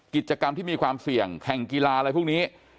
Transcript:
กิจกรรมที่มีความเสี่ยงแข่งกีฬาอะไรพวกนี้